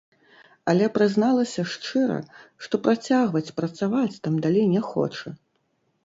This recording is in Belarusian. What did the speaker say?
Але прызналася шчыра, што працягваць працаваць там далей не хоча.